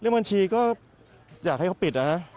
เรื่องบัญชีก็อยากให้เขาปิดน่ะนะ